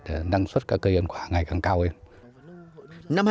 để năng suất các cây ăn quả ngày càng cao hơn